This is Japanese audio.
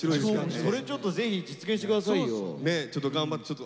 それちょっとぜひ実現して下さいよ。